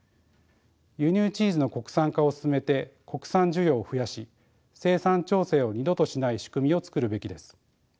輸入チーズの国産化を進めて国産需要を増やし生産調整を二度としない仕組みを作るべきです。